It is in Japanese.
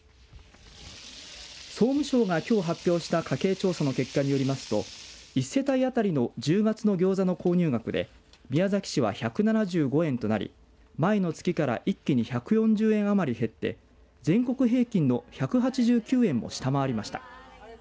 総務省がきょう発表した家計調査の結果によりますと１世帯当たりの１０月のギョーザの購入額で宮崎市は１７５円となり前の月から一気に１４０円余り減って全国平均の１８９円も下回りました。